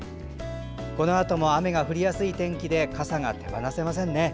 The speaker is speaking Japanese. このあとも雨の降りやすい天気でかさが手放せませんね。